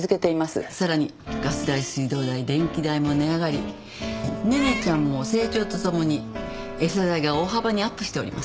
さらにガス代水道代電気代も値上がりネネちゃんも成長と共に餌代が大幅にアップしております。